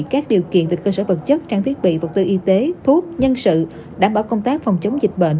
các điều kiện về cơ sở vật chất trang thiết bị vật tư y tế thuốc nhân sự đảm bảo công tác phòng chống dịch bệnh